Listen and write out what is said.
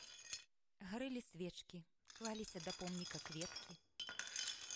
Гарэлі свечкі, клаліся да помніка кветкі.